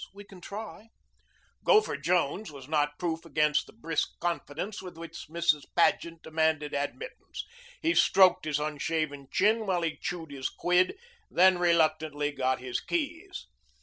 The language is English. We can try." Gopher Jones was not proof against the brisk confidence with which Mrs. Paget demanded admittance. He stroked his unshaven chin while he chewed his quid, then reluctantly got his keys.